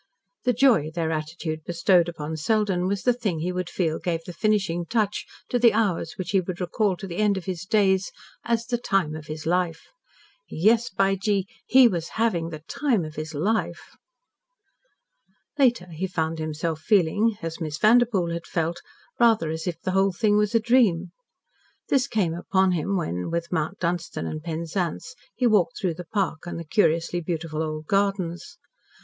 The joy their attitude bestowed upon Selden was the thing he would feel gave the finishing touch to the hours which he would recall to the end of his days as the "time of his life." Yes, by gee! he was having "the time of his life." Later he found himself feeling as Miss Vanderpoel had felt rather as if the whole thing was a dream. This came upon him when, with Mount Dunstan and Penzance, he walked through the park and the curiously beautiful old gardens.